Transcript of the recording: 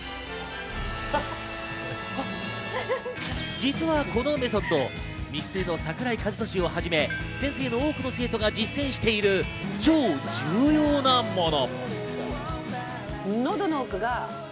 実はこのメソッド、ミスチルの桜井和寿をはじめ先生の多くの生徒が実践している超重要なもの。